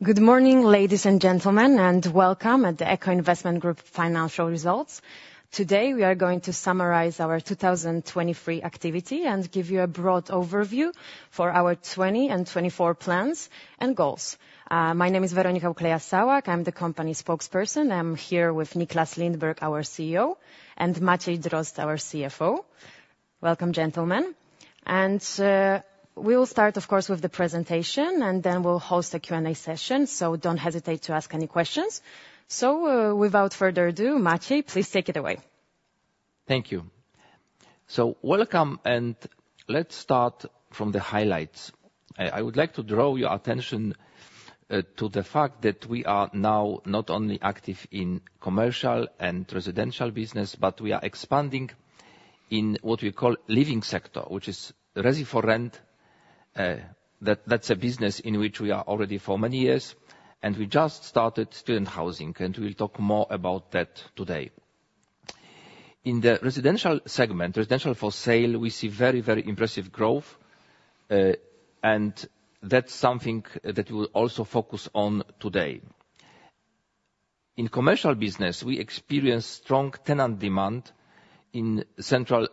Good morning, ladies and gentlemen, and welcome at the Echo Investment Group financial results. Today, we are going to summarize our 2023 activity, and give you a broad overview for our 2024 plans and goals. My name is Weronika Ukleja-Sałak, I'm the company spokesperson. I'm here with Nicklas Lindberg, our CEO, and Maciej Drozd, our CFO. Welcome, gentlemen. We will start, of course, with the presentation, and then we'll host a Q&A session, so don't hesitate to ask any questions. So, without further ado, Maciej, please take it away. Thank you. Welcome, and let's start from the highlights. I would like to draw your attention to the fact that we are now not only active in commercial and residential business, but we are expanding in what we call living sector, which is resi for rent. That, that's a business in which we are already for many years, and we just started student housing, and we'll talk more about that today. In the residential segment, residential for sale, we see very, very impressive growth, and that's something that we'll also focus on today. In commercial business, we experience strong tenant demand in central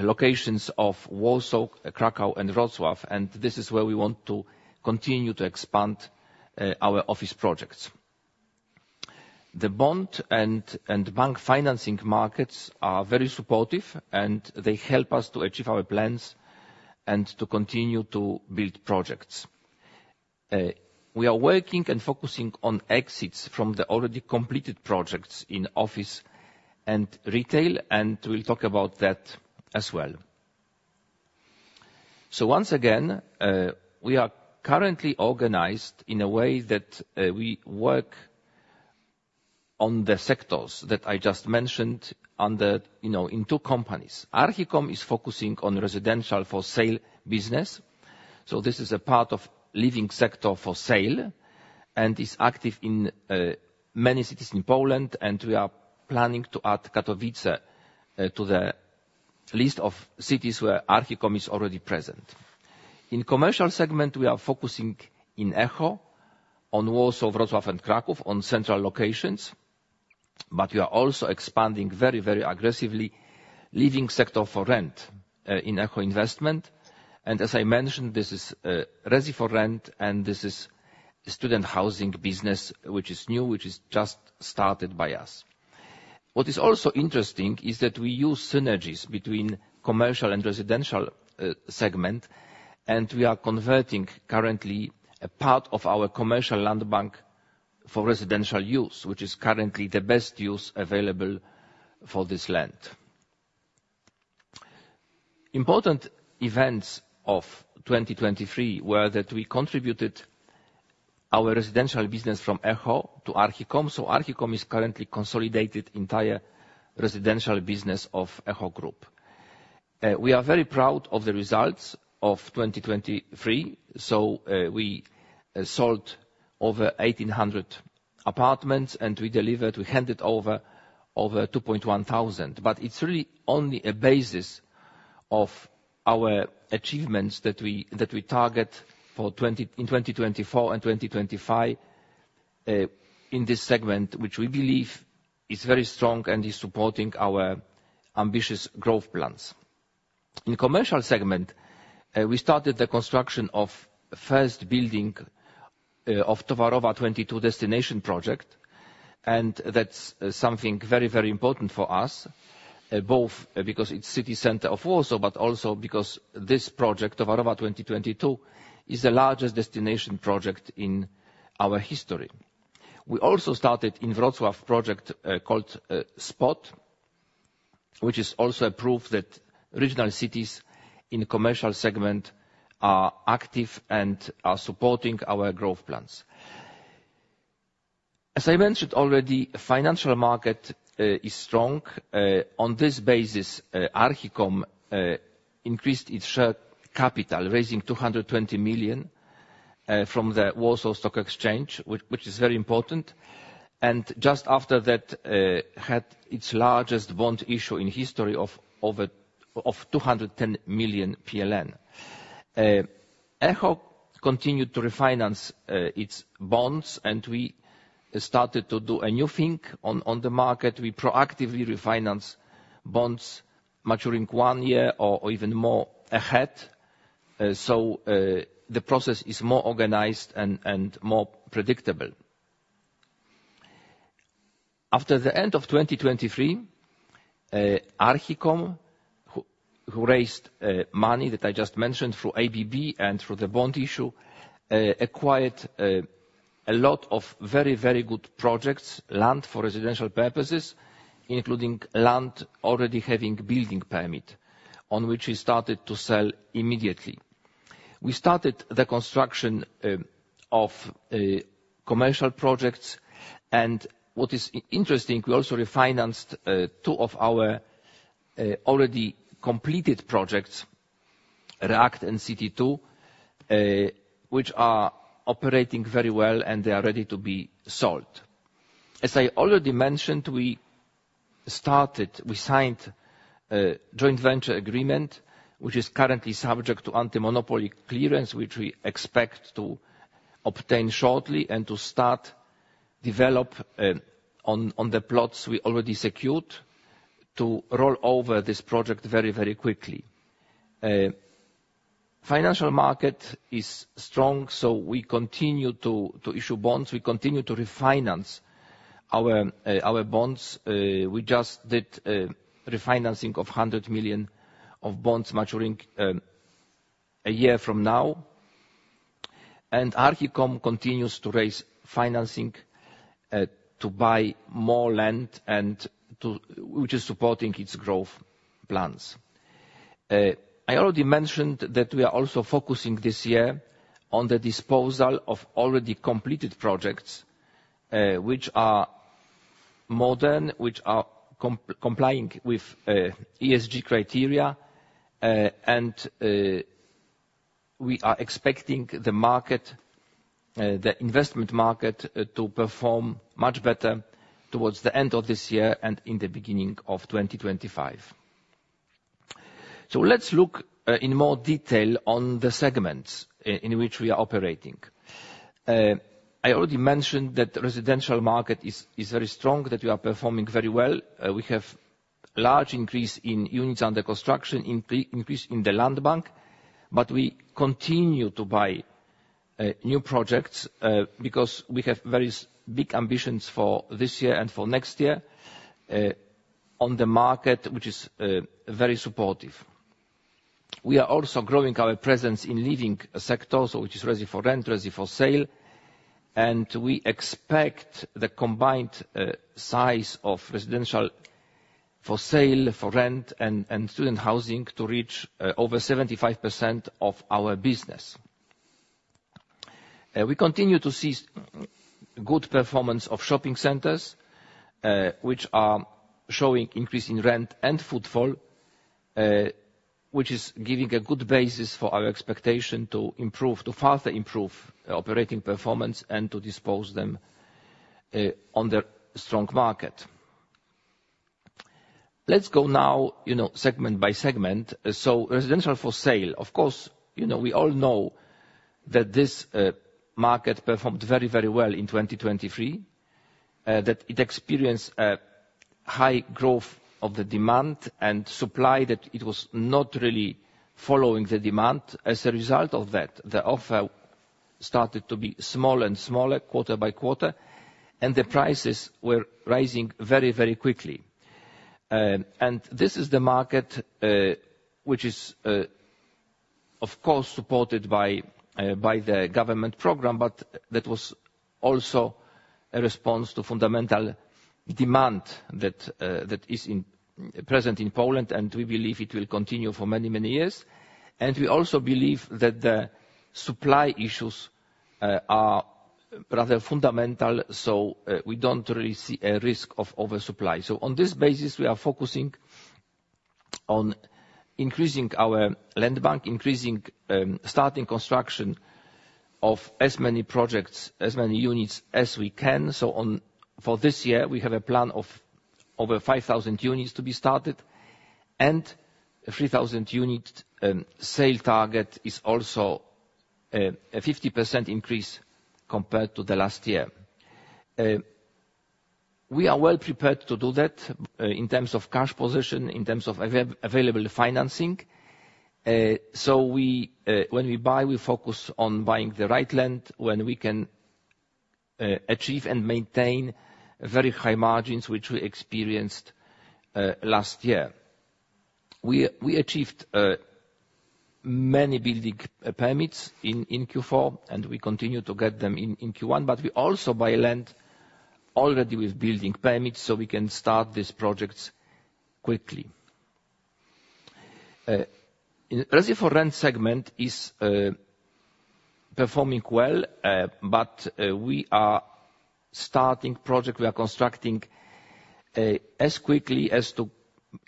locations of Warsaw, Kraków, and Wrocław, and this is where we want to continue to expand our office projects. The bond and bank financing markets are very supportive, and they help us to achieve our plans and to continue to build projects. We are working and focusing on exits from the already completed projects in office and retail, and we'll talk about that as well. So once again, we are currently organized in a way that we work on the sectors that I just mentioned under, you know, in two companies. Archicom is focusing on residential for sale business, so this is a part of living sector for sale and is active in many cities in Poland, and we are planning to add Katowice to the list of cities where Archicom is already present. In commercial segment, we are focusing in Echo on Warsaw, Wrocław, and Kraków on central locations, but we are also expanding very, very aggressively living sector for rent in Echo Investment. And as I mentioned, this is resi for rent, and this is student housing business, which is new, which is just started by us. What is also interesting is that we use synergies between commercial and residential segment, and we are converting currently a part of our commercial land bank for residential use, which is currently the best use available for this land. Important events of 2023 were that we contributed our residential business from Echo to Archicom. So Archicom is currently consolidated entire residential business of Echo Group. We are very proud of the results of 2023. So, we sold over 1,800 apartments, and we delivered, we handed over, over 2,100. But it's really only a basis of our achievements that we target for 2024 and 2025, in this segment, which we believe is very strong and is supporting our ambitious growth plans. In commercial segment, we started the construction of first building of Towarowa 22 destination project, and that's something very, very important for us, both because it's city center of Warsaw, but also because this project, Towarowa 22, is the largest destination project in our history. We also started in Wrocław project called Spot, which is also a proof that regional cities in commercial segment are active and are supporting our growth plans. As I mentioned already, financial market is strong. On this basis, Archicom increased its share capital, raising 220 million from the Warsaw Stock Exchange, which is very important. And just after that, had its largest bond issue in history of over 210 million PLN. Echo continued to refinance its bonds, and we started to do a new thing on the market. We proactively refinance bonds maturing one year or even more ahead, so the process is more organized and more predictable. After the end of 2023, Archicom, who raised money that I just mentioned through ABB and through the bond issue, acquired a lot of very, very good projects, land for residential purposes, including land already having building permit, on which we started to sell immediately. We started the construction of commercial projects, and what is interesting, we also refinanced two of our already completed projects, React and City 2, which are operating very well, and they are ready to be sold. As I already mentioned, we started, we signed a joint venture agreement, which is currently subject to anti-monopoly clearance, which we expect to obtain shortly and to start develop on the plots we already secured to roll over this project very, very quickly. Financial market is strong, so we continue to issue bonds. We continue to refinance our bonds. We just did a refinancing of 100 million of bonds maturing a year from now. Archicom continues to raise financing to buy more land, which is supporting its growth plans. I already mentioned that we are also focusing this year on the disposal of already completed projects, which are modern, which are complying with ESG criteria, and we are expecting the market, the investment market, to perform much better towards the end of this year and in the beginning of 2025. So let's look in more detail on the segments in which we are operating. I already mentioned that the residential market is very strong, that we are performing very well. We have large increase in units under construction, increase in the land bank, but we continue to buy new projects, because we have very big ambitions for this year and for next year, on the market, which is very supportive. We are also growing our presence in living sectors, so which is ready for rent, ready for sale, and we expect the combined size of residential for sale, for rent, and student housing to reach over 75% of our business. We continue to see good performance of shopping centers, which are showing increase in rent and footfall, which is giving a good basis for our expectation to improve, to further improve operating performance and to dispose them on the strong market. Let's go now, you know, segment by segment. So residential for sale. Of course, you know, we all know that this market performed very, very well in 2023, that it experienced a high growth of the demand and supply, that it was not really following the demand. As a result of that, the offer started to be smaller and smaller quarter by quarter, and the prices were rising very, very quickly. This is the market, which is, of course, supported by the government program, but that was also a response to fundamental demand that is present in Poland, and we believe it will continue for many, many years. We also believe that the supply issues are rather fundamental, so we don't really see a risk of oversupply. On this basis, we are focusing on increasing our land bank, increasing, starting construction of as many projects, as many units as we can. So, for this year, we have a plan of over 5,000 units to be started, and 3,000-unit sale target is also a 50% increase compared to the last year. We are well prepared to do that, in terms of cash position, in terms of available financing. So, when we buy, we focus on buying the right land, when we can achieve and maintain very high margins, which we experienced last year. We achieved many building permits in Q4, and we continue to get them in Q1, but we also buy land already with building permits, so we can start these projects quickly. In Resi4Rent segment is performing well, but we are starting project, we are constructing as quickly as to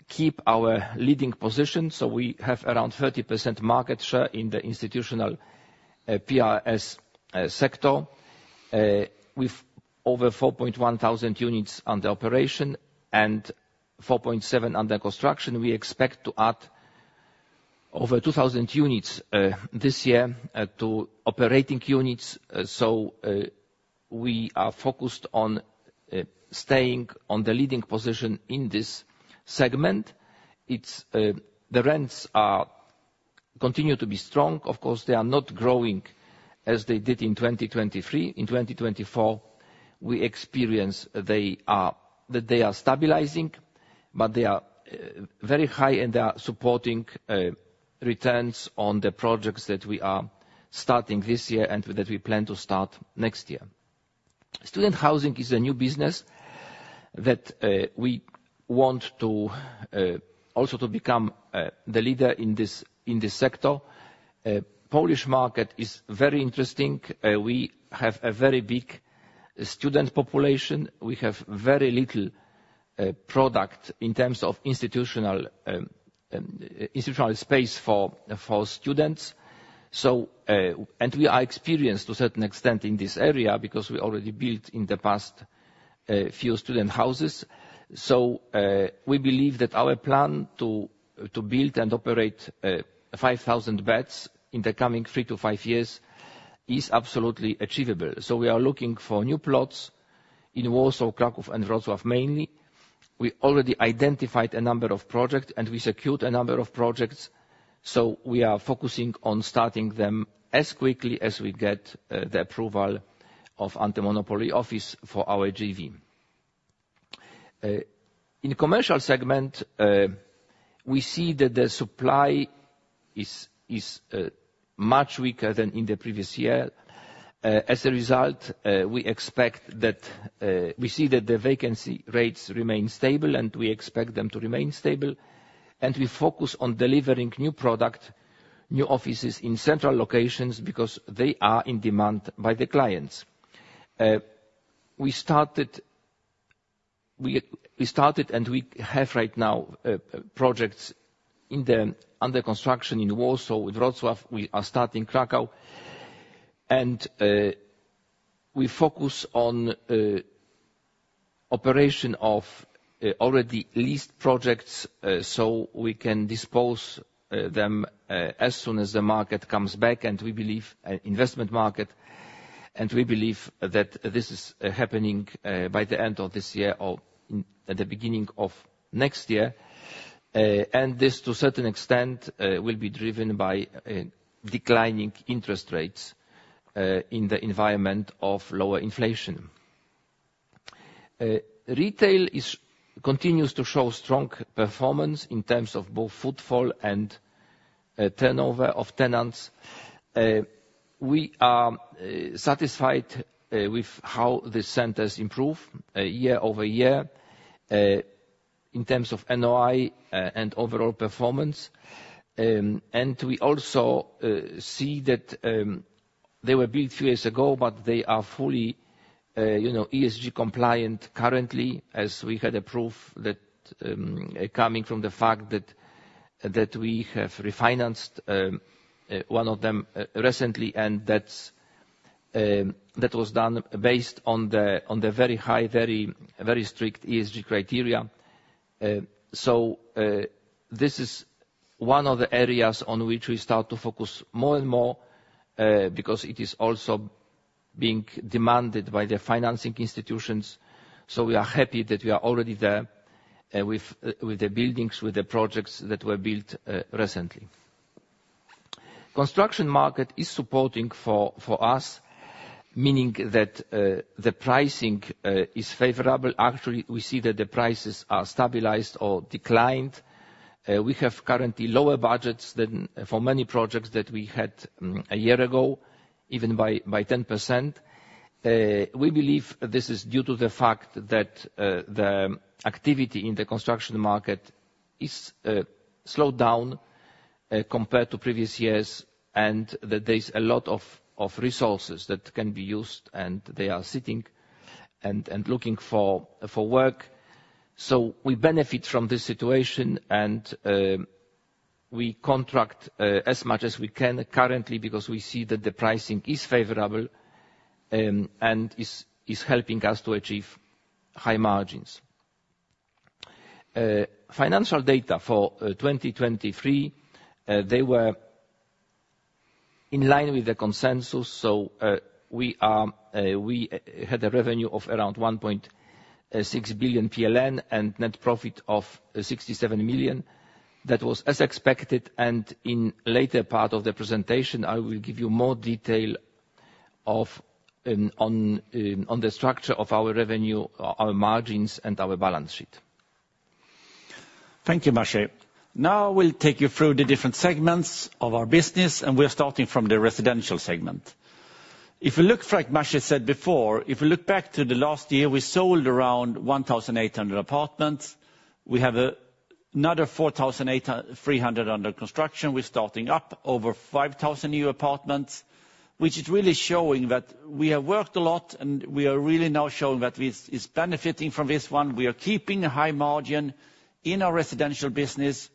keep our leading position. So we have around 30% market share in the institutional PRS sector with over 4,100 units under operation and 4,700 under construction. We expect to add over 2,000 units this year to operating units. We are focused on staying on the leading position in this segment. It's the rents are continue to be strong. Of course, they are not growing as they did in 2023. In 2024, we experience they are, that they are stabilizing, but they are very high, and they are supporting returns on the projects that we are starting this year and that we plan to start next year. Student housing is a new business that we want to also to become the leader in this, in this sector. Polish market is very interesting. We have a very big student population. We have very little product in terms of institutional institutional space for students. So, we are experienced to a certain extent in this area, because we already built, in the past, a few student houses. So, we believe that our plan to build and operate 5,000 beds in the coming 3-5 years is absolutely achievable. So we are looking for new plots in Warsaw, Kraków, and Wrocław, mainly. We already identified a number of projects, and we secured a number of projects, so we are focusing on starting them as quickly as we get the approval of anti-monopoly office for our JV. In commercial segment, we see that the supply is much weaker than in the previous year. As a result, we expect that we see that the vacancy rates remain stable, and we expect them to remain stable. And we focus on delivering new product, new offices in central locations, because they are in demand by the clients. We started, and we have right now projects under construction in Warsaw, in Wrocław. We are starting Kraków. We focus on operation of already leased projects, so we can dispose them as soon as the market comes back, and we believe investment market, and we believe that this is happening by the end of this year or at the beginning of next year. This, to a certain extent, will be driven by declining interest rates in the environment of lower inflation. Retail continues to show strong performance in terms of both footfall and turnover of tenants. We are satisfied with how the centers improve year-over-year in terms of NOI and overall performance. And we also see that they were built few years ago, but they are fully, you know, ESG compliant currently, as we had a proof that, coming from the fact that we have refinanced one of them recently, and that was done based on the very high, very, very strict ESG criteria. So this is one of the areas on which we start to focus more and more, because it is also being demanded by the financing institutions. So we are happy that we are already there with the buildings, with the projects that were built recently. Construction market is supporting for us, meaning that the pricing is favorable. Actually, we see that the prices are stabilized or declined. We have currently lower budgets than for many projects that we had a year ago, even by 10%. We believe this is due to the fact that the activity in the construction market is slowed down compared to previous years, and that there's a lot of resources that can be used, and they are sitting and looking for work. So we benefit from this situation, and we contract as much as we can currently, because we see that the pricing is favorable and is helping us to achieve high margins. Financial data for 2023 they were in line with the consensus, so we had a revenue of around 1.6 billion PLN, and net profit of 67 million. That was as expected, and in later part of the presentation, I will give you more detail on the structure of our revenue, our margins, and our balance sheet. Thank you, Maciej. Now we'll take you through the different segments of our business, and we're starting from the residential segment. If you look, like Maciej said before, if you look back to the last year, we sold around 1,800 apartments. We have another 4,833 under construction. We're starting up over 5,000 new apartments, which is really showing that we have worked a lot, and we are really now showing that we is benefiting from this one. We are keeping a high margin in our residential business,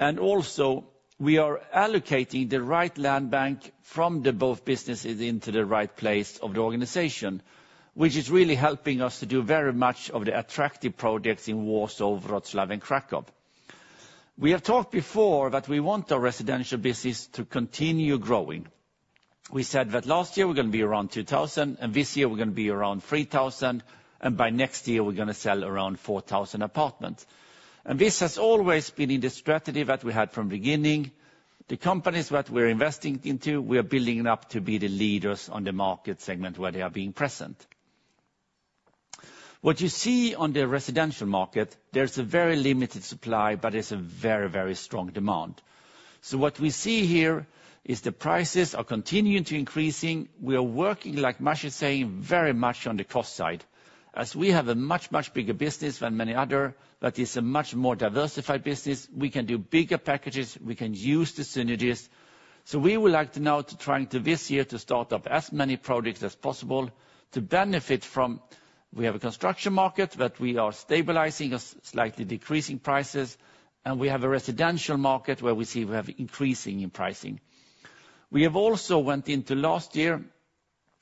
and also, we are allocating the right land bank from the both businesses into the right place of the organization, which is really helping us to do very much of the attractive projects in Warsaw, Wrocław, and Kraków. We have talked before that we want our residential business to continue growing. We said that last year we're gonna be around 2,000, and this year we're gonna be around 3,000, and by next year, we're gonna sell around 4,000 apartments. This has always been in the strategy that we had from beginning. The companies that we're investing into, we are building it up to be the leaders on the market segment where they are being present. What you see on the residential market, there's a very limited supply, but it's a very, very strong demand. What we see here is the prices are continuing to increasing. We are working, like Maciej is saying, very much on the cost side. As we have a much, much bigger business than many other, but is a much more diversified business, we can do bigger packages, we can use the synergies. So we would like now to try to this year start up as many projects as possible to benefit from: we have a construction market that we are stabilizing, slightly decreasing prices, and we have a residential market where we see increasing prices. We have also went into last year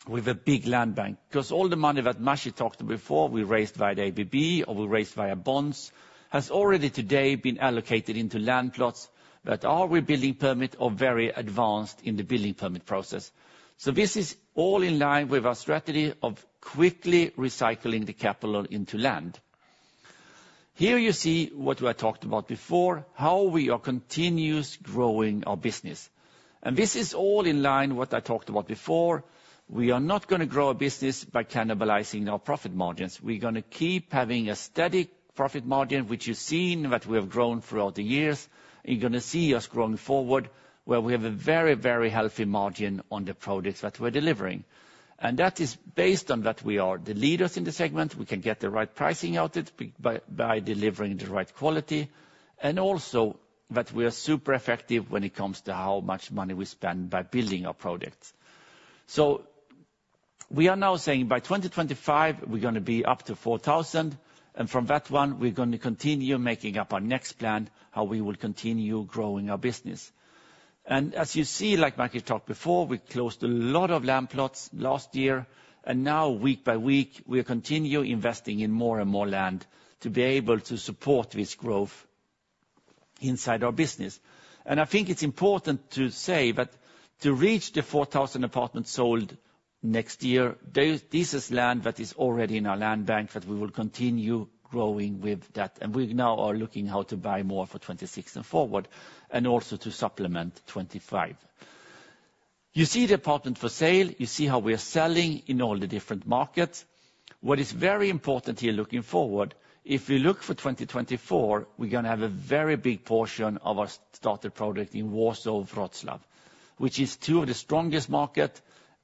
with a big land bank, because all the money that Maciej talked about before we raised via the ABB or via bonds has already today been allocated into land plots that are with building permit or very advanced in the building permit process. So this is all in line with our strategy of quickly recycling the capital into land. Here you see what we had talked about before, how we are continuously growing our business. And this is all in line with what I talked about before. We are not going to grow a business by cannibalizing our profit margins. We're going to keep having a steady profit margin, which you've seen that we have grown throughout the years. You're going to see us growing forward, where we have a very, very healthy margin on the products that we're delivering. And that is based on that we are the leaders in the segment. We can get the right pricing out of it by delivering the right quality, and also that we are super effective when it comes to how much money we spend by building our products. So we are now saying by 2025, we're gonna be up to 4,000, and from that one, we're going to continue making up our next plan, how we will continue growing our business. And as you see, like Maciej talked before, we closed a lot of land plots last year, and now week by week, we continue investing in more and more land to be able to support this growth inside our business. And I think it's important to say that to reach the 4,000 apartments sold next year, this is land that is already in our land bank, that we will continue growing with that. And we now are looking how to buy more for 26 and forward, and also to supplement 25. You see the apartment for sale, you see how we are selling in all the different markets. What is very important here looking forward, if we look for 2024, we're gonna have a very big portion of our started project in Warsaw, Wrocław, which is two of the strongest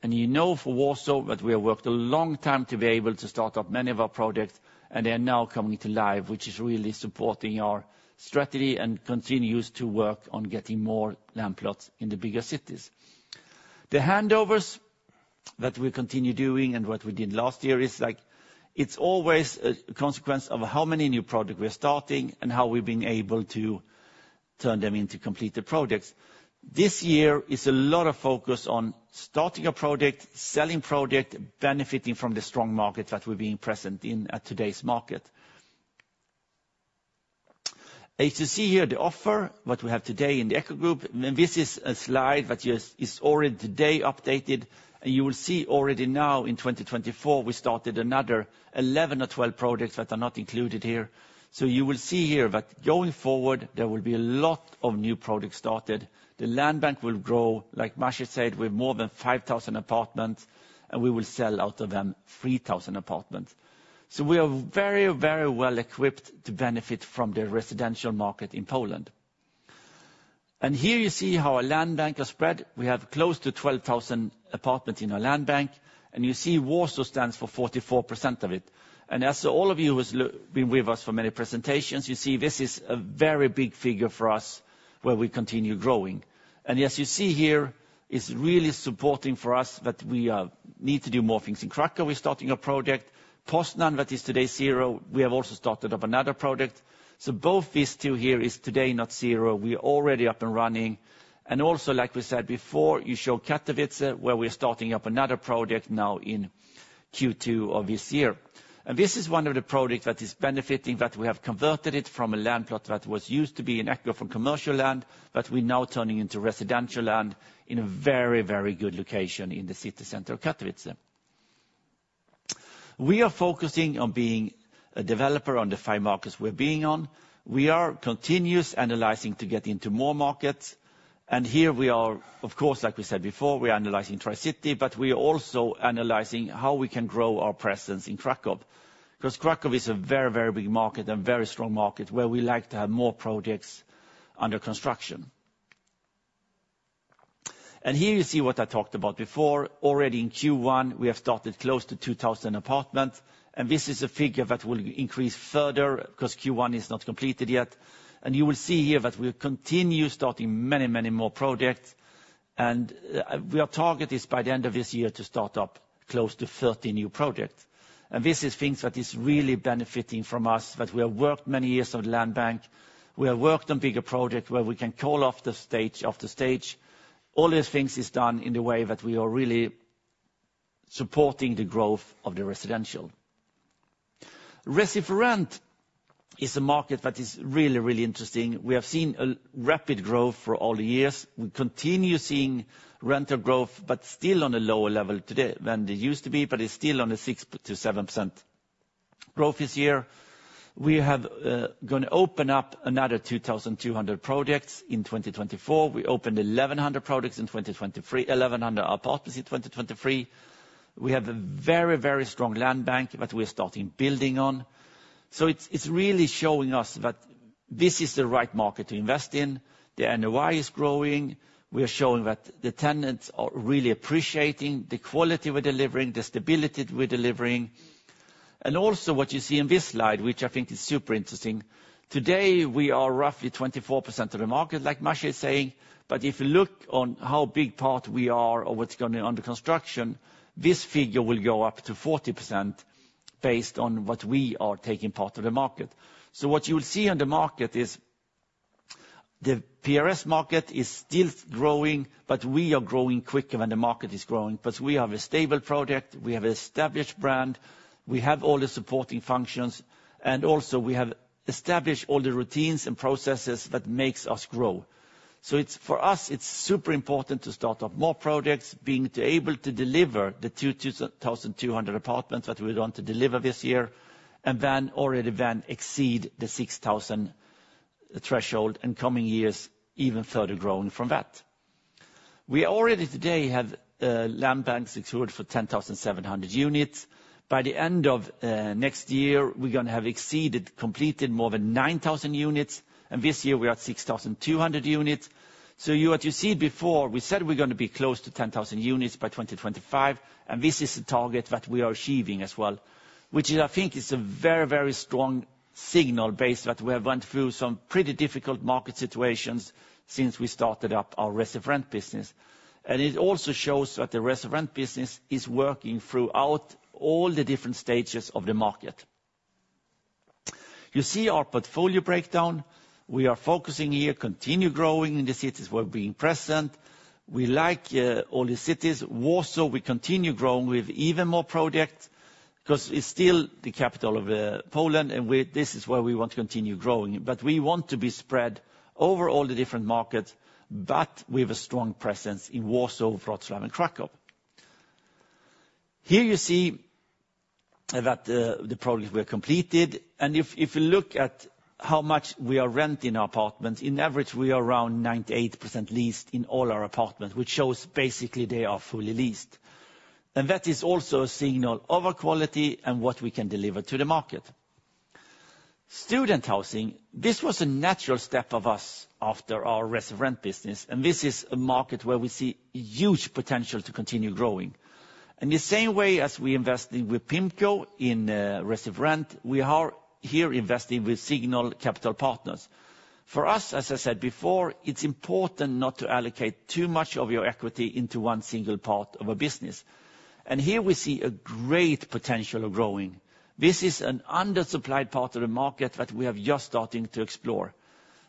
market. You know, for Warsaw, that we have worked a long time to be able to start up many of our projects, and they are now coming to life, which is really supporting our strategy and continues to work on getting more land plots in the bigger cities. The handovers that we continue doing and what we did last year is, like, it's always a consequence of how many new project we're starting and how we've been able to turn them into completed projects. This year is a lot of focus on starting a project, selling project, benefiting from the strong market that we're being present in at today's market. As you see here, the offer, what we have today in the Echo Group, and this is a slide that is already today updated. You will see already now in 2024, we started another 11 or 12 projects that are not included here. So you will see here that going forward, there will be a lot of new products started. The land bank will grow, like Maciej said, with more than 5,000 apartments, and we will sell out of them 3,000 apartments. So we are very, very well equipped to benefit from the residential market in Poland. And here you see how our land bank is spread. We have close to 12,000 apartments in our land bank, and you see Warsaw stands for 44% of it. And as all of you has been with us for many presentations, you see this is a very big figure for us, where we continue growing. As you see here, it's really supporting for us that we need to do more things. In Kraków, we're starting a project. Poznań, that is today zero, we have also started up another project. So both these two here is today not zero. We are already up and running. And also, like we said before, you show Katowice, where we're starting up another project now in Q2 of this year. And this is one of the projects that is benefiting, that we have converted it from a land plot that was used to be an Echo from commercial land, but we're now turning into residential land in a very, very good location in the city center of Katowice. We are focusing on being a developer on the five markets we're being on. We are continuously analyzing to get into more markets, and here we are, of course, like we said before, we are analyzing Tri-City, but we are also analyzing how we can grow our presence in Kraków. Because Kraków is a very, very big market and very strong market where we like to have more projects under construction. And here you see what I talked about before. Already in Q1, we have started close to 2,000 apartments, and this is a figure that will increase further because Q1 is not completed yet. And you will see here that we'll continue starting many, many more projects. And, our target is by the end of this year to start up close to 30 new projects. And this is things that is really benefiting from us, that we have worked many years on the land bank. We have worked on bigger projects where we can call off the stage after stage. All these things is done in the way that we are really supporting the growth of the residential. Resi for rent is a market that is really, really interesting. We have seen a rapid growth for all the years. We continue seeing rental growth, but still on a lower level today than it used to be, but it's still on the 6%-7% growth this year. We have gonna open up another 2,200 projects in 2024. We opened 1,100 projects in 2023, 1,100 apartments in 2023. We have a very, very strong land bank that we're starting building on. So it's really showing us that this is the right market to invest in. The NOI is growing. We are showing that the tenants are really appreciating the quality we're delivering, the stability we're delivering. And also, what you see in this slide, which I think is super interesting, today, we are roughly 24% of the market, like Maciej is saying. But if you look on how big part we are or what's going under construction, this figure will go up to 40% based on what we are taking part of the market. So what you'll see on the market is the PRS market is still growing, but we are growing quicker than the market is growing. Because we have a stable project, we have an established brand, we have all the supporting functions, and also we have established all the routines and processes that makes us grow. So, for us, it's super important to start up more projects, being able to deliver the 2,200 apartments that we want to deliver this year, and then, already then exceed the 6,000 threshold in coming years, even further growing from that. We already today have land banks secured for 10,700 units. By the end of next year, we're gonna have exceeded, completed more than 9,000 units, and this year we are at 6,200 units. So, what you see before, we said we're gonna be close to 10,000 units by 2025, and this is the target that we are achieving as well, which I think is a very, very strong signal base, that we have went through some pretty difficult market situations since we started up our Resi4Rent business. It also shows that the Resi4Rent business is working throughout all the different stages of the market. You see our portfolio breakdown. We are focusing here, continue growing in the cities we're being present. We like, all the cities. Warsaw, we continue growing with even more projects, 'cause it's still the capital of, Poland, and this is where we want to continue growing. But we want to be spread over all the different markets, but with a strong presence in Warsaw, Wrocław, and Kraków. Here you see that, the projects were completed. And if you look at how much we are renting our apartments, in average, we are around 98% leased in all our apartments, which shows basically they are fully leased. And that is also a signal of our quality and what we can deliver to the market. Student housing, this was a natural step of us after our Resi4Rent business, and this is a market where we see huge potential to continue growing. In the same way as we invested with PIMCO in, Resi4Rent, we are here investing with Signal Capital Partners. For us, as I said before, it's important not to allocate too much of your equity into one single part of a business, and here we see a great potential of growing. This is an undersupplied part of the market that we have just starting to explore.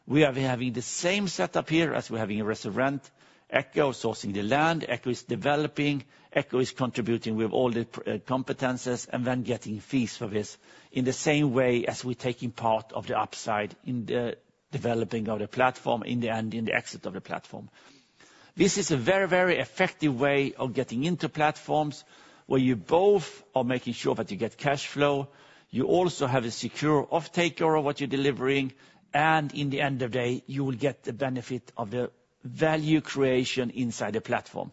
We are having the same setup here as we're having in Resi4Rent. Echo's sourcing the land, Echo is developing, Echo is contributing with all the competencies, and then getting fees for this, in the same way as we're taking part of the upside in the developing of the platform, in the end, in the exit of the platform. This is a very, very effective way of getting into platforms, where you both are making sure that you get cash flow, you also have a secure off-taker of what you're delivering, and in the end of the day, in the end of the day, you will get the benefit of the value creation inside the platform.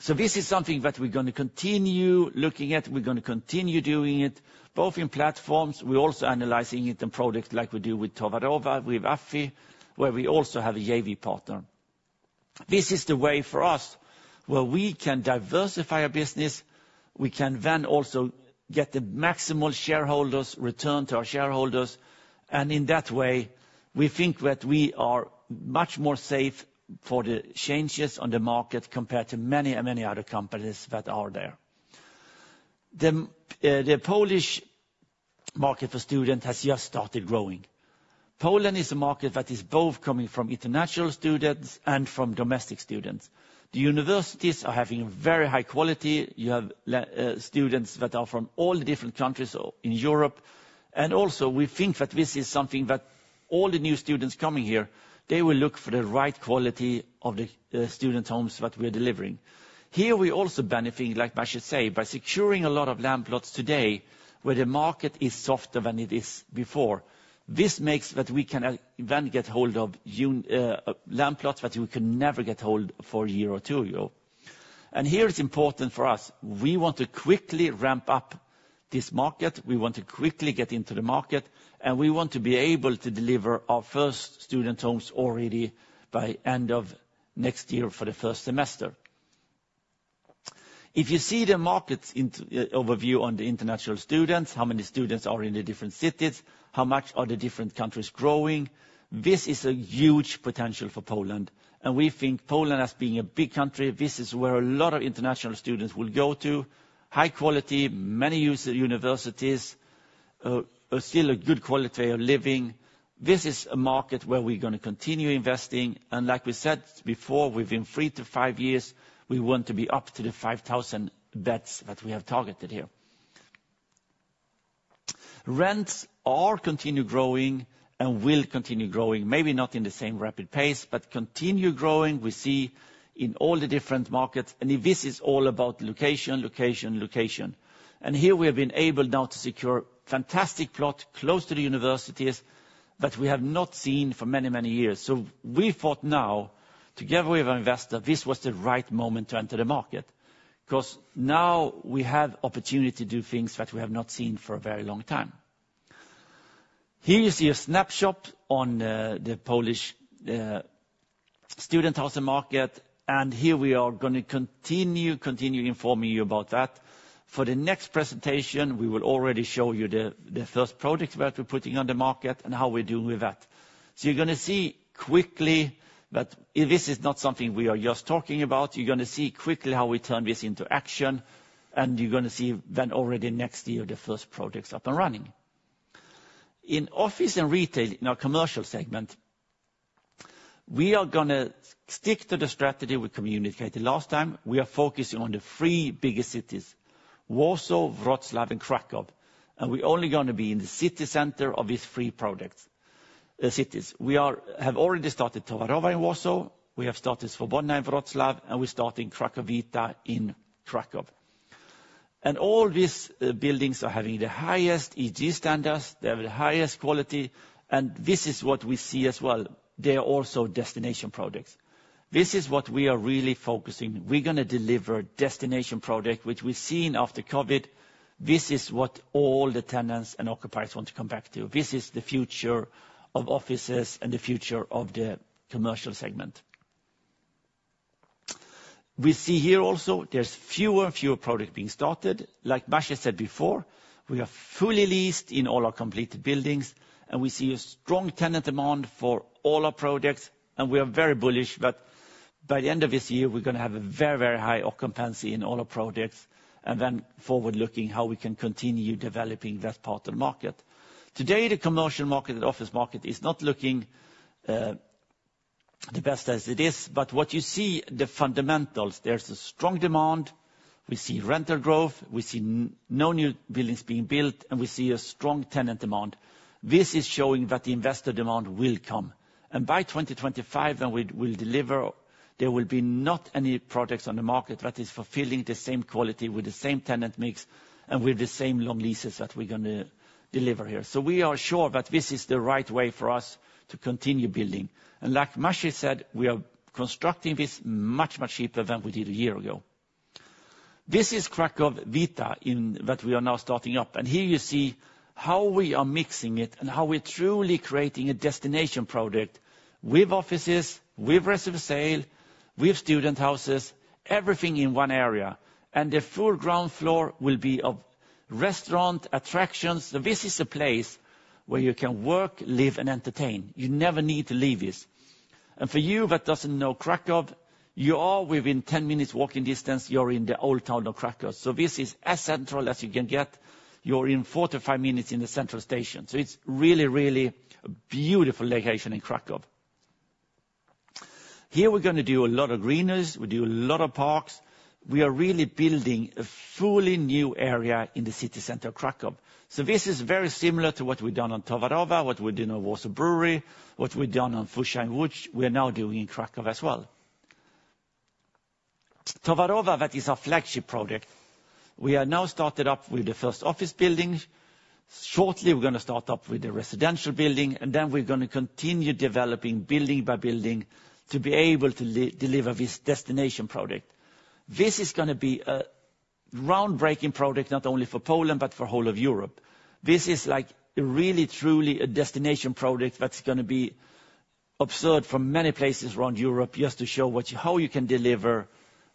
So this is something that we're gonna continue looking at. We're gonna continue doing it, both in platforms. We're also analyzing it in products like we do with Towarowa, with AFI, where we also have a JV partner. This is the way for us, where we can diversify our business. We can then also get the maximal shareholders, return to our shareholders, and in that way, we think that we are much more safe for the changes on the market, compared to many, and many other companies that are there. The Polish market for student has just started growing. Poland is a market that is both coming from international students and from domestic students. The universities are having very high quality. You have students that are from all different countries in Europe, and also we think that this is something that all the new students coming here, they will look for the right quality of the student homes that we're delivering. Here, we're also benefiting, like I should say, by securing a lot of land plots today, where the market is softer than it is before. This makes that we can then get hold of land plots that we can never get hold for a year or two ago. And here, it's important for us, we want to quickly ramp up this market, we want to quickly get into the market, and we want to be able to deliver our first student homes already by end of next year for the first semester. If you see the markets overview on the international students, how many students are in the different cities, how much are the different countries growing, this is a huge potential for Poland. And we think Poland, as being a big country, this is where a lot of international students will go to. High quality, many universities, still a good quality of living. This is a market where we're gonna continue investing, and like we said before, within 3-5 years, we want to be up to the 5,000 beds that we have targeted here. Rents are continue growing and will continue growing, maybe not in the same rapid pace, but continue growing, we see in all the different markets, and this is all about location, location, location. And here, we have been able now to secure fantastic plot close to the universities that we have not seen for many, many years. So we thought now, together with our investor, this was the right moment to enter the market. 'Cause now we have opportunity to do things that we have not seen for a very long time. Here you see a snapshot on the Polish student housing market, and here we are gonna continue, continue informing you about that. For the next presentation, we will already show you the first project that we're putting on the market, and how we're doing with that. So you're gonna see quickly that this is not something we are just talking about. You're gonna see quickly how we turn this into action, and you're gonna see then already next year, the first projects up and running. In office and retail, in our commercial segment. We are gonna stick to the strategy we communicated last time. We are focusing on the three biggest cities, Warsaw, Wrocław, and Kraków, and we're only gonna be in the city center of these three products, cities. We have already started Towarowa in Warsaw, we have started Swobodna in Wrocław, and we're starting Kraków Wita in Kraków. And all these buildings are having the highest ESG standards, they have the highest quality, and this is what we see as well. They are also destination products. This is what we are really focusing. We're gonna deliver destination product, which we've seen after COVID. This is what all the tenants and occupiers want to come back to. This is the future of offices and the future of the commercial segment. We see here also, there's fewer and fewer products being started. Like Maciej said before, we are fully leased in all our completed buildings, and we see a strong tenant demand for all our projects, and we are very bullish. But by the end of this year, we're gonna have a very, very high occupancy in all our projects, and then forward-looking how we can continue developing that part of the market. Today, the commercial market, the office market, is not looking the best as it is. But what you see, the fundamentals, there's a strong demand, we see rental growth, we see no new buildings being built, and we see a strong tenant demand. This is showing that the investor demand will come. And by 2025, when we'll deliver, there will be not any products on the market that is fulfilling the same quality with the same tenant mix, and with the same long leases that we're gonna deliver here. So we are sure that this is the right way for us to continue building. And like Maciej said, we are constructing this much, much cheaper than we did a year ago. This is Kraków Wita that we are now starting up, and here you see how we are mixing it and how we're truly creating a destination product with offices, with reserve sale, with student houses, everything in one area. The full ground floor will be of restaurant, attractions. So this is a place where you can work, live, and entertain. You never need to leave this. For you that doesn't know Kraków, you are within 10 minutes walking distance, you're in the old town of Kraków. So this is as central as you can get. You're in 45 minutes in the central station. So it's really, really a beautiful location in Kraków. Here, we're gonna do a lot of greenery, we do a lot of parks. We are really building a fully new area in the city center of Kraków. This is very similar to what we've done on Towarowa, what we did in Warsaw Breweries, what we've done on Fuzja and Wita, we're now doing in Kraków as well. Towarowa, that is our flagship project. We are now started up with the first office building. Shortly, we're gonna start up with the residential building, and then we're gonna continue developing building by building to be able to deliver this destination project. This is gonna be a groundbreaking project, not only for Poland, but for whole of Europe. This is like really, truly a destination project that's gonna be observed from many places around Europe, just to show how you can deliver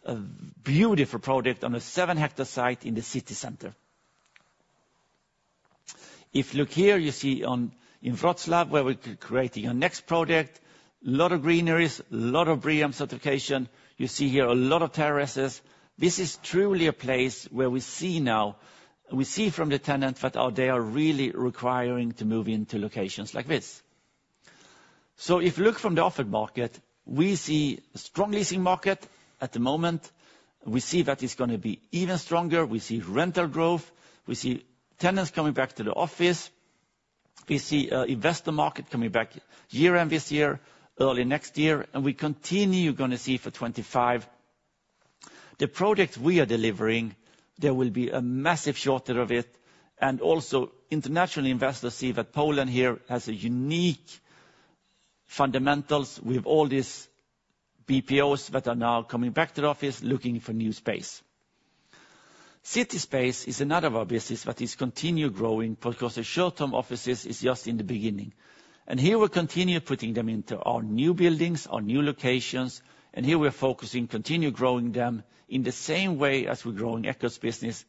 a beautiful project on a seven-hectare site in the city center. If you look here, you see in Wrocław, where we're creating our next project, a lot of greeneries, a lot of BREEAM certification. You see here a lot of terraces. This is truly a place where we see from the tenant that they are really requiring to move into locations like this. So if you look from the offered market, we see a strong leasing market at the moment. We see that it's gonna be even stronger. We see rental growth, we see tenants coming back to the office, we see investor market coming back year-end this year, early next year, and we continue, you're gonna see for 2025. The products we are delivering, there will be a massive shortage of it. And also, international investors see that Poland here has a unique fundamentals with all these BPOs that are now coming back to the office, looking for new space. CitySpace is another of our business that is continue growing because the short-term offices is just in the beginning. Here we continue putting them into our new buildings, our new locations, and here we're focusing, continue growing them in the same way as we're growing Echo's business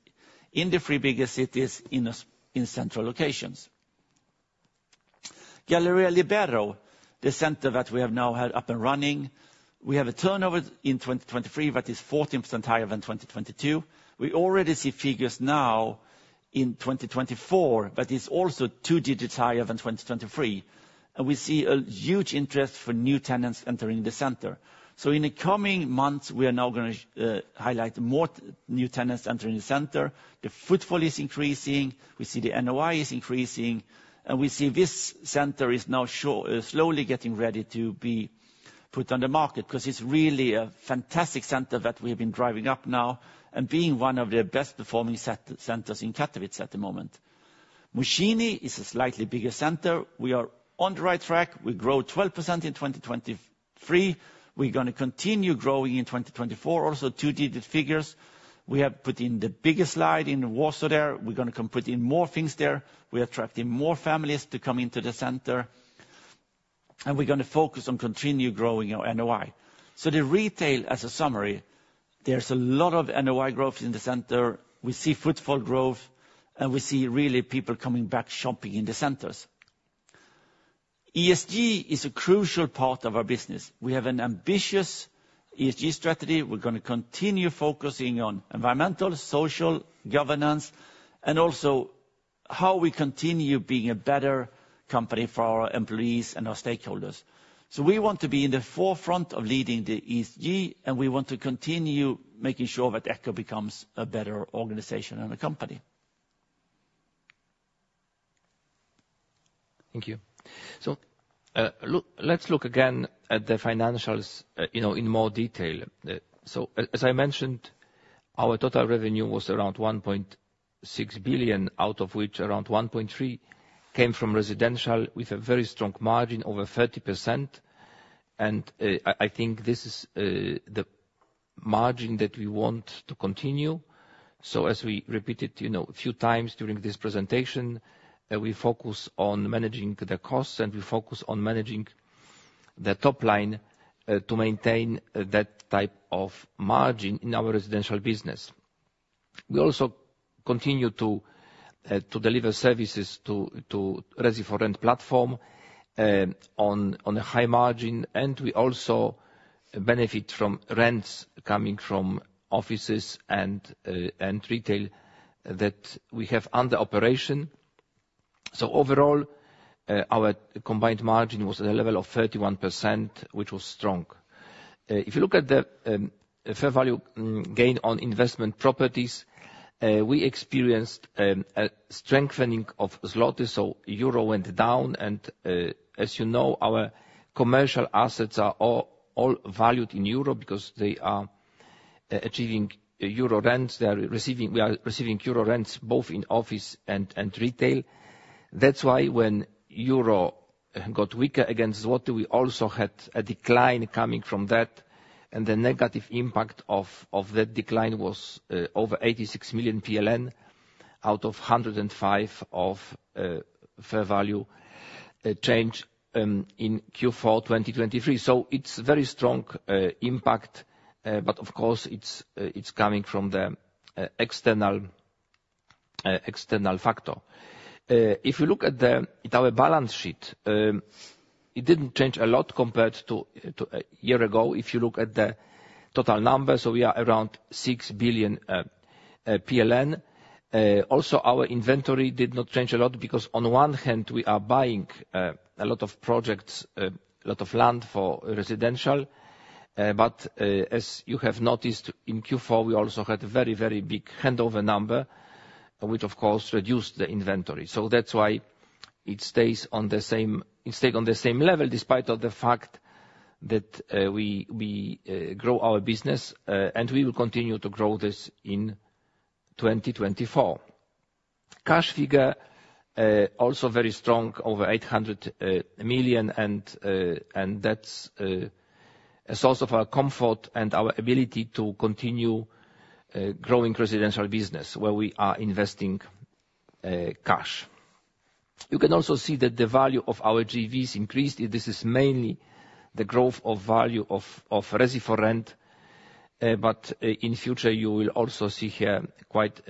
in the three bigger cities in central locations. Galeria Libero, the center that we have now had up and running, we have a turnover in 2023, that is 14% higher than 2022. We already see figures now in 2024, that is also two digits higher than 2023. We see a huge interest for new tenants entering the center. So in the coming months, we are now gonna highlight more new tenants entering the center. The footfall is increasing, we see the NOI is increasing, and we see this center is now slowly getting ready to be put on the market. 'Cause it's really a fantastic center that we have been driving up now, and being one of the best performing centers in Katowice at the moment. Młociny is a slightly bigger center. We are on the right track. We grow 12% in 2023. We're gonna continue growing in 2024, also two-digit figures. We have put in the biggest slide in Warsaw there. We're gonna come put in more things there. We attracting more families to come into the center, and we're gonna focus on continue growing our NOI. So the retail, as a summary, there's a lot of NOI growth in the center. We see footfall growth, and we see really people coming back shopping in the centers. ESG is a crucial part of our business. We have an ambitious ESG strategy. We're gonna continue focusing on environmental, social, governance, and also-... how we continue being a better company for our employees and our stakeholders. So we want to be in the forefront of leading the ESG, and we want to continue making sure that Echo becomes a better organization and a company. Thank you. So, look, let's look again at the financials, you know, in more detail. So as I mentioned, our total revenue was around 1.6 billion, out of which around 1.3 billion came from residential, with a very strong margin, over 30%. And I think this is the margin that we want to continue. So as we repeated, you know, a few times during this presentation, we focus on managing the costs, and we focus on managing the top line, to maintain that type of margin in our residential business. We also continue to deliver services to Resi4Rent platform on a high margin, and we also benefit from rents coming from offices and retail that we have under operation. So overall, our combined margin was at a level of 31%, which was strong. If you look at the fair value gain on investment properties, we experienced a strengthening of zloty, so euro went down, and as you know, our commercial assets are all valued in euro because they are achieving euro rents. They are receiving—we are receiving euro rents, both in office and retail. That's why, when euro got weaker against zloty, we also had a decline coming from that, and the negative impact of that decline was over 86 million PLN, out of 105 of fair value change in Q4 2023. So it's very strong impact, but of course it's coming from the external factor. If you look at our balance sheet, it didn't change a lot compared to a year ago, if you look at the total numbers. So we are around 6 billion PLN. Also, our inventory did not change a lot because, on one hand, we are buying a lot of projects, a lot of land for residential, but as you have noticed, in Q4, we also had a very, very big handover number, which, of course, reduced the inventory. So that's why it stays on the same, it stayed on the same level, despite of the fact that we grow our business and we will continue to grow this in 2024. Cash figure also very strong, over 800 million, and that's a source of our comfort and our ability to continue growing residential business, where we are investing cash. You can also see that the value of our JVs increased. This is mainly the growth of value of Resi4Rent, but in future, you will also see here quite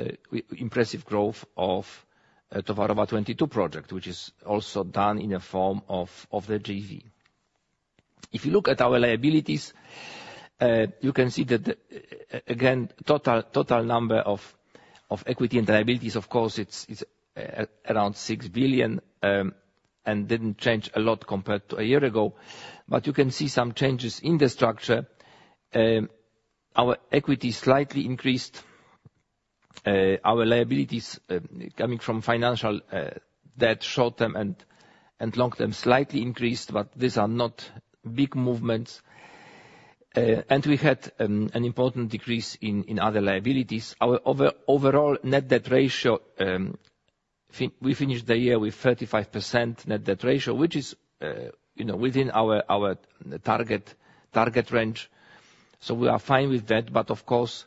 impressive growth of Towarowa 22 project, which is also done in a form of the JV. If you look at our liabilities, you can see that, again, total number of equity and liabilities, of course, it's around 6 billion, and didn't change a lot compared to a year ago, but you can see some changes in the structure. Our equity slightly increased. Our liabilities coming from financial debt, short-term and long-term, slightly increased, but these are not big movements. And we had an important decrease in other liabilities. Our overall net debt ratio, fin... We finished the year with 35% net debt ratio, which is, you know, within our target range, so we are fine with that. But, of course,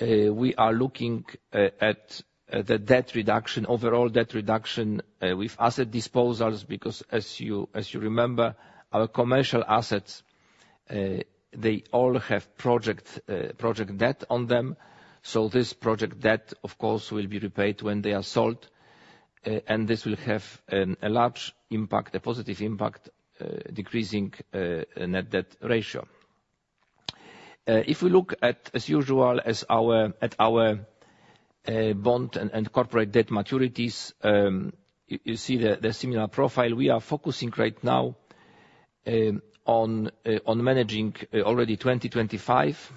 we are looking at the debt reduction, overall debt reduction, with asset disposals, because, as you remember, our commercial assets, they all have project debt on them, so this project debt, of course, will be repaid when they are sold, and this will have a large impact, a positive impact, decreasing net debt ratio. If we look at, as usual, at our bond and corporate debt maturities, you see the similar profile. We are focusing right now on managing already 2025.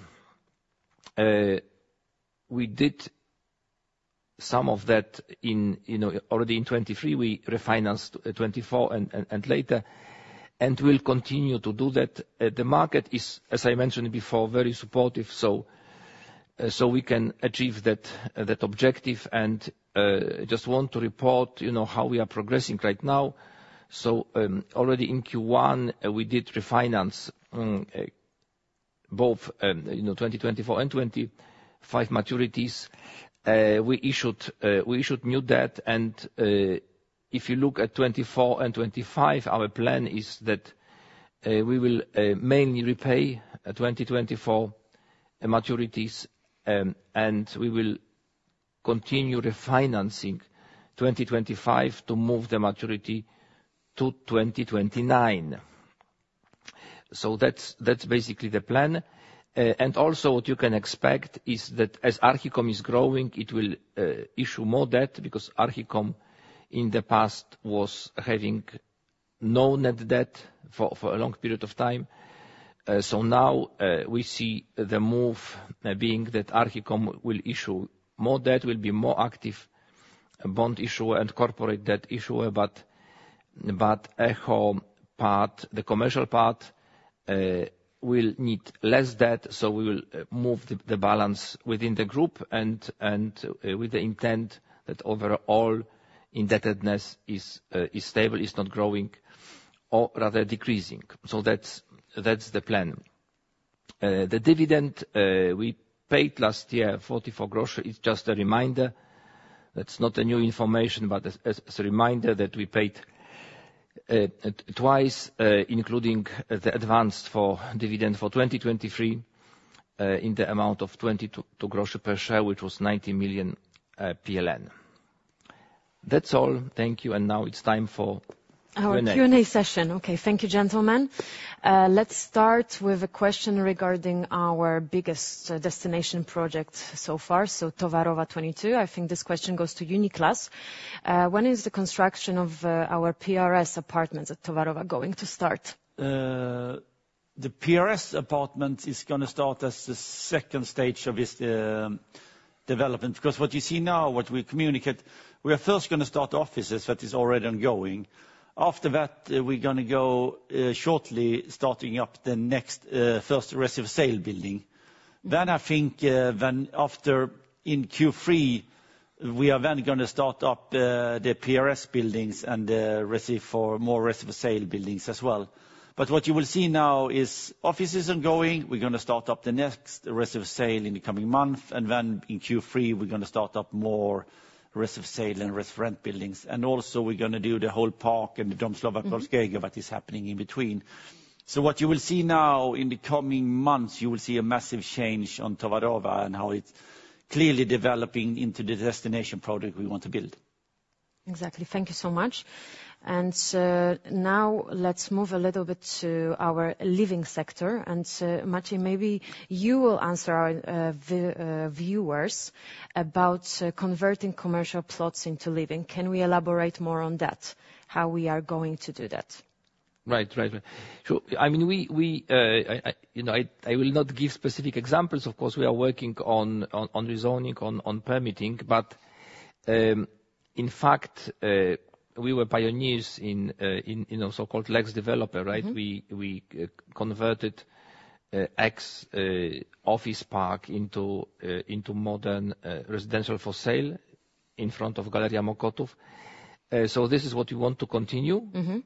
We did some of that in, you know, already in 2023. We refinanced 2024 and later, and we'll continue to do that. The market is, as I mentioned before, very supportive, so we can achieve that objective. And just want to report, you know, how we are progressing right now. So, already in Q1, we did refinance both, you know, 2024 and 2025 maturities. We issued new debt, and if you look at 2024 and 2025, our plan is that we will mainly repay 2024 maturities, and we will continue refinancing 2025 to move the maturity to 2029. So that's basically the plan. And also what you can expect is that as Archicom is growing, it will issue more debt, because Archicom, in the past, was having no net debt for a long period of time. So now, we see the move being that Archicom will issue more debt, will be more active bond issuer and corporate debt issuer, but Echo part, the commercial part, will need less debt, so we will move the balance within the group and with the intent that overall indebtedness is stable, is not growing, or rather decreasing. So that's the plan. The dividend we paid last year, PLN 0.44. It's just a reminder, that's not a new information, but as a reminder that we paid twice, including the advance for dividend for 2023, in the amount of 22 groszy per share, which was 90 million PLN. That's all. Thank you, and now it's time for Q&A. Our Q&A session. Okay, thank you, gentlemen. Let's start with a question regarding our biggest destination project so far, so Towarowa 22. I think this question goes to Nicklas. When is the construction of our PRS apartments at Towarowa going to start? The PRS apartment is gonna start as the second stage of this development. Because what you see now, what we communicate, we are first gonna start offices, that is already ongoing. After that, we're gonna go, shortly, starting up the next, first reserve sale building. Then I think, after in Q3, we are then gonna start up, the PRS buildings and, receive for more reserve for sale buildings as well. But what you will see now is offices ongoing. We're gonna start up the next reserve sale in the coming month, and then in Q3, we're gonna start up more reserve sale and reserve rent buildings. And also, we're gonna do the whole park and the Dom Słowa Polskiego that is happening in between. What you will see now, in the coming months, you will see a massive change on Towarowa and how it's clearly developing into the destination product we want to build. Exactly. Thank you so much. Now let's move a little bit to our living sector. Maciej, maybe you will answer our viewers about converting commercial plots into living. Can we elaborate more on that, how we are going to do that? Right, right. So, I mean, we, I will not give specific examples. Of course, we are working on rezoning, on permitting, but, in fact, we were pioneers in a so-called Lex Developer, right? Mm-hmm. We converted office park into modern residential for sale in front of Galeria Mokotów. So this is what we want to continue. Mm-hmm.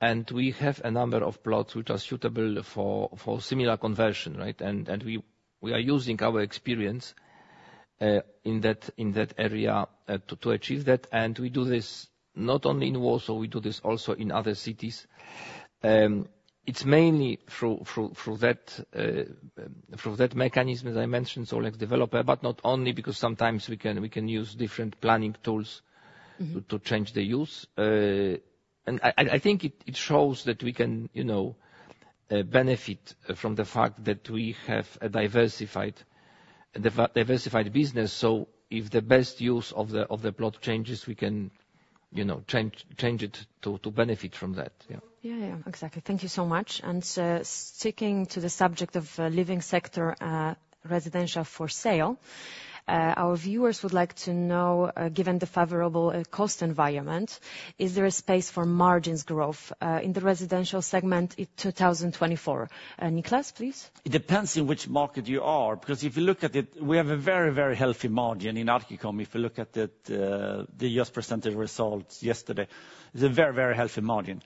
And we have a number of plots which are suitable for similar conversion, right? And we are using our experience in that area to achieve that. And we do this not only in Warsaw, we do this also in other cities. It's mainly through that mechanism, as I mentioned, so Lex Developer, but not only because sometimes we can use different planning tools- Mm-hmm... to change the use. And I think it shows that we can, you know, benefit from the fact that we have a diversified business. So if the best use of the plot changes, we can, you know, change it to benefit from that. Yeah. Yeah, yeah. Exactly. Thank you so much. And, sticking to the subject of, living sector, residential for sale, our viewers would like to know, given the favorable, cost environment, is there a space for margins growth, in the residential segment in 2024? Nicklas, please. It depends on which market you are, because if you look at it, we have a very, very healthy margin in Archicom. If you look at the just presented results yesterday, it's a very, very healthy margin.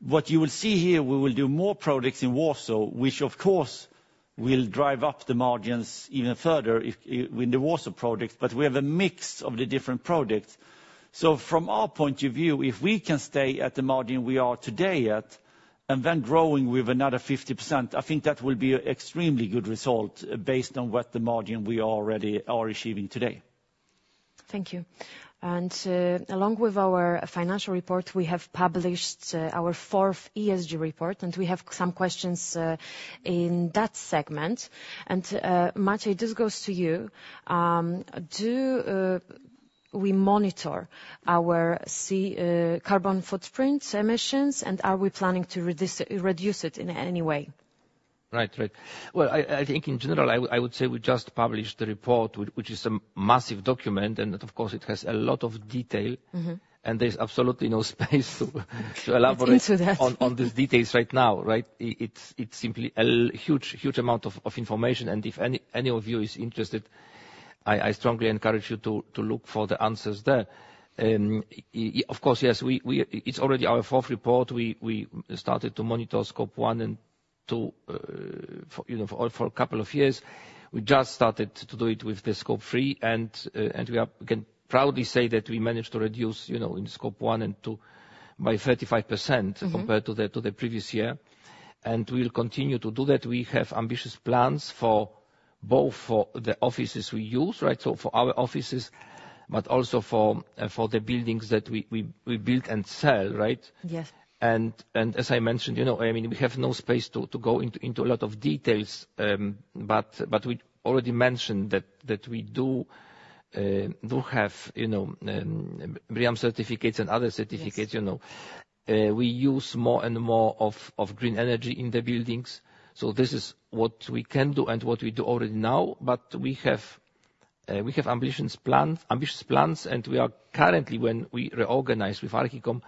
What you will see here, we will do more products in Warsaw, which of course, will drive up the margins even further if in the Warsaw projects, but we have a mix of the different projects. So from our point of view, if we can stay at the margin we are today at, and then growing with another 50%, I think that will be an extremely good result based on what the margin we already are achieving today. Thank you. And, along with our financial report, we have published our fourth ESG report, and we have some questions in that segment. And, Maciej, this goes to you. Do we monitor our carbon footprint emissions, and are we planning to reduce it in any way? Right, right. Well, I think in general, I would say we just published the report, which is a massive document, and of course, it has a lot of detail. Mm-hmm... and there is absolutely no space to elaborate- Into that... on these details right now, right? It's simply a huge amount of information, and if any of you is interested, I strongly encourage you to look for the answers there. Of course, yes, we, it's already our fourth report. We started to monitor Scope 1 and 2, for you know, for a couple of years. We just started to do it with the Scope 3, and we can proudly say that we managed to reduce, you know, in Scope 1 and 2, by 35%. Mm-hmm ...compared to the previous year, and we will continue to do that. We have ambitious plans both for the offices we use, right? So for our offices, but also for the buildings that we build and sell, right? Yes. As I mentioned, you know, I mean, we have no space to go into a lot of details, but we already mentioned that we do have, you know, BREEAM certificates and other certificates- Yes. You know. We use more and more of green energy in the buildings, so this is what we can do and what we do already now. But we have ambitious plans, and we are currently, when we reorganize with Archicom,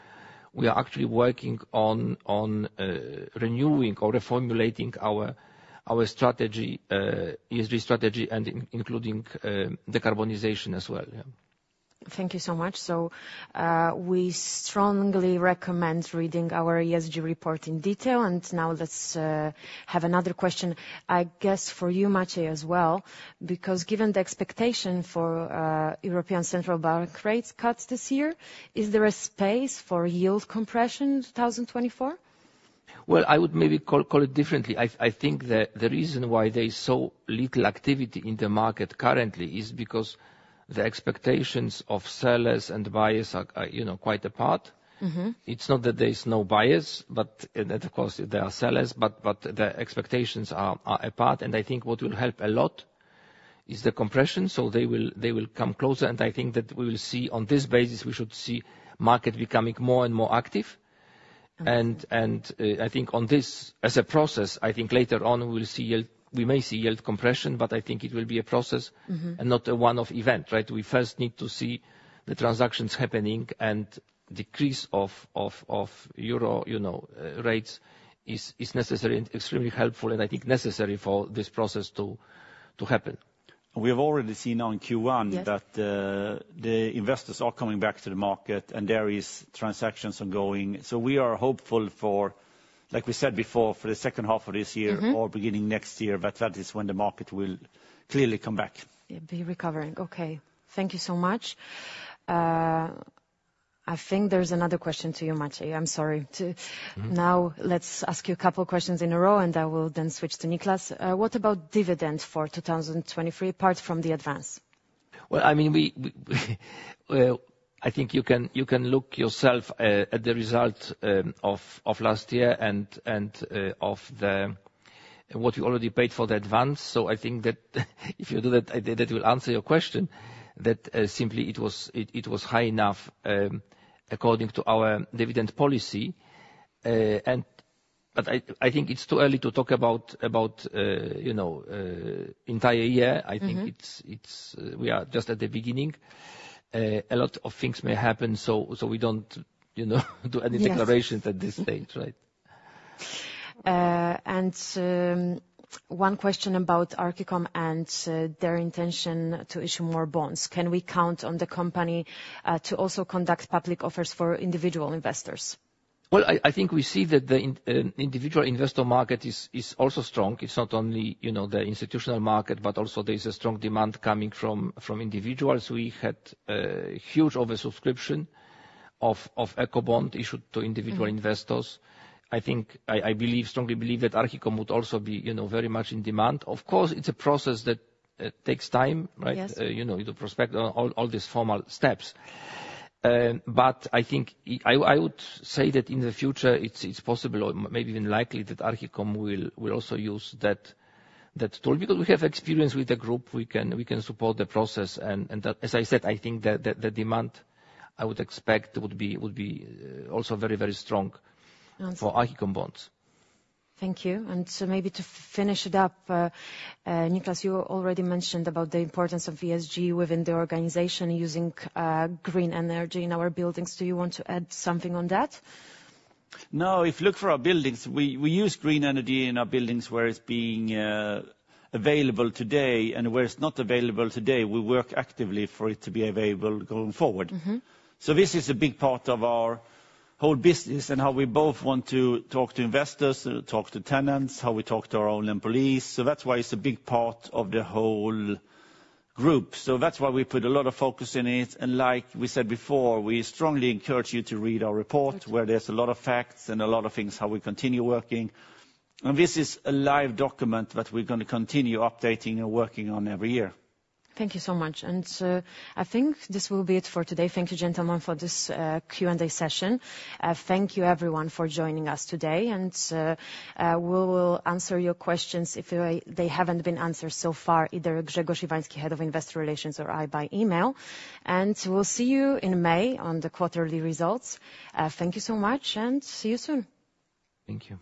we are actually working on renewing or reformulating our strategy, ESG strategy, and including decarbonization as well, yeah. Thank you so much. So, we strongly recommend reading our ESG report in detail. Now let's have another question, I guess, for you, Maciej, as well. Because given the expectation for European Central Bank rate cuts this year, is there a space for yield compression in 2024? Well, I would maybe call it differently. I think that the reason why there is so little activity in the market currently is because the expectations of sellers and buyers are, you know, quite apart. Mm-hmm. It's not that there is no buyers, but and of course, there are sellers, but the expectations are apart, and I think what will help a lot is the compression, so they will come closer. And I think that we will see, on this basis, we should see market becoming more and more active. Mm-hmm. And I think on this, as a process, I think later on we'll see yield—we may see yield compression, but I think it will be a process. Mm-hmm... and not a one-off event, right? We first need to see the transactions happening and decrease of euro, you know, rates, is necessary and extremely helpful, and I think necessary for this process to happen. We've already seen now in Q1- Yes... that, the investors are coming back to the market, and there is transactions ongoing. So we are hopeful for, like we said before, for the second half of this year- Mm-hmm... or beginning next year, but that is when the market will clearly come back. It be recovering. Okay, thank you so much. I think there's another question to you, Maciej. I'm sorry, to- Mm-hmm. Now, let's ask you a couple questions in a row, and I will then switch to Nicklas. What about dividend for 2023, apart from the advance? Well, I mean, I think you can look yourself at the result of last year and of the... What you already paid for the advance. So I think that, if you do that, that will answer your question, that simply it was high enough according to our dividend policy. And but I think it's too early to talk about, you know, entire year. Mm-hmm. I think it's... We are just at the beginning. A lot of things may happen, so we don't, you know, do any declarations- Yes At this stage, right? One question about Archicom and their intention to issue more bonds. Can we count on the company to also conduct public offers for individual investors? Well, I think we see that the individual investor market is also strong. It's not only, you know, the institutional market, but also there is a strong demand coming from individuals. We had a huge oversubscription of Echo bond issued to individual investors. Mm-hmm. I think, I, I believe, strongly believe that Archicom would also be, you know, very much in demand. Of course, it's a process that takes time, right? Yes. You know, you do prospect all these formal steps. But I think I would say that in the future, it's possible or maybe even likely that Archicom will also use that tool. Because we have experience with the group, we can support the process, and that... As I said, I think the demand I would expect would be also very, very strong- And so- -for Archicom bonds. Thank you. And so maybe to finish it up, Nicklas, you already mentioned about the importance of ESG within the organization, using green energy in our buildings. Do you want to add something on that? No, if you look for our buildings, we use green energy in our buildings, where it's being available today, and where it's not available today, we work actively for it to be available going forward. Mm-hmm. This is a big part of our whole business and how we both want to talk to investors, talk to tenants, how we talk to our own employees, so that's why it's a big part of the whole group. That's why we put a lot of focus in it, and like we said before, we strongly encourage you to read our report. Okay... where there's a lot of facts and a lot of things, how we continue working. And this is a live document that we're gonna continue updating and working on every year. Thank you so much. I think this will be it for today. Thank you, gentlemen, for this Q&A session. Thank you, everyone, for joining us today, and we will answer your questions if they haven't been answered so far, either Grzegorz Iwański, Head of Investor Relations, or I, by email. We'll see you in May on the quarterly results. Thank you so much, and see you soon. Thank you.